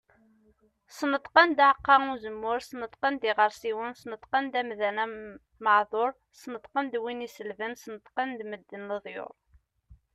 Sneṭqen-d aɛeqqa uzemmur, Sneṭqen-d iɣersiwen, Sneṭqen-d amdan ameɛdur, Sneṭqen-d win iselben, Sneṭqen-d medden leḍyur.